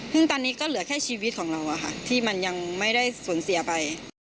ซึ่งตอนนี้ก็เหลือแค่ชีวิตของเราที่มันยังไม่ได้สูญเสียไป